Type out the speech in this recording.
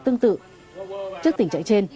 tương tự trước tình trạng trên